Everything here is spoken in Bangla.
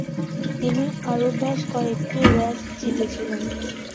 তিনি আরও বেশ কয়েকটি রেস জিতেছিলেন।